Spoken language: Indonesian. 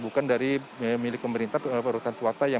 bukan dari milik pemerintah perusahaan swasta yang memang